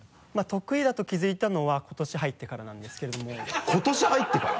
得意だと気づいたのは今年入ってからなんですけれども今年入ってから？